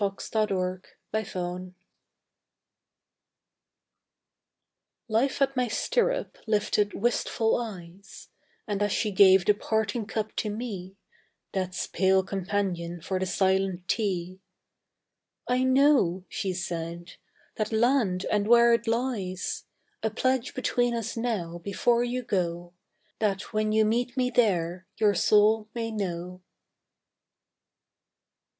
The Stirrup Cup Life at my stirrup lifted wistful eyes, And as she gave the parting cup to me, Death's pale companion for the silent sea, "I know," she said, "that land and where it lies. A pledge between us now before you go, That when you meet me there your soul may know!"